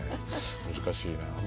難しいなあ。